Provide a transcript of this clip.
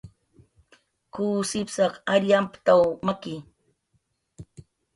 "K""uw sipsaq ariy amptaw maki"